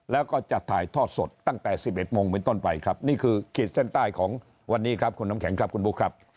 แล้วก็จะถ่ายทอดสดตั้งแต่๑๑โมงเป็นต้นไปครับนี่คือขีดเส้นใต้ของวันนี้ครับคุณน้ำแข็งครับคุณบุ๊คครับ